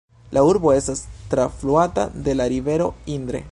La urbo estas trafluata de la rivero Indre.